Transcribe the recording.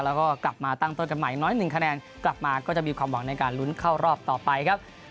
แล้วก็กลับมาตั้งต้นกันใหม่น้อยหนึ่งคะแนนกลับมาก็จะมีความหวังในการลุ้นเข้ารอบต่อไปครับ